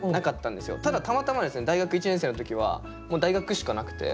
ただたまたまですね大学１年生の時はもう大学しかなくて。